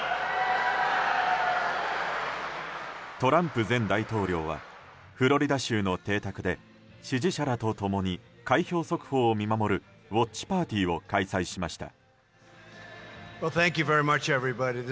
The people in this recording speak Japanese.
トランプ前大統領はフロリダ州の邸宅で支持者らと共に開票速報を見守るウォッチパーティーを開催しました。